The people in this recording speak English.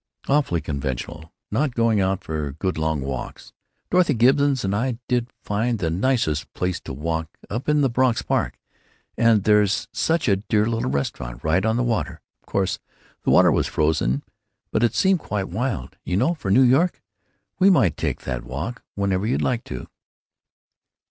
"Awfully conventional. Not going out for good long walks. Dorothy Gibbons and I did find the nicest place to walk, up in Bronx Park, and there's such a dear little restaurant, right on the water; of course the water was frozen, but it seemed quite wild, you know, for New York. We might take that walk, whenever you'd like to."